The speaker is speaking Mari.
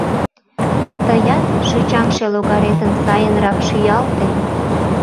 Тыят шӱчаҥше логаретым сайынрак шӱалте.